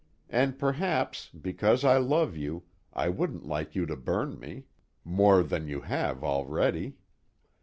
And perhaps (because I love you) I wouldn't like you to burn me. "More than you have already.